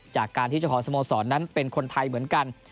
จากการที่เจ้าของสโมสรนั้นเป็นคนไทยเหมือนกัน